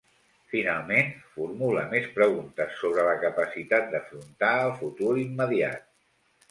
Finalment, formula més preguntes sobre la capacitat d’afrontar el futur immediat.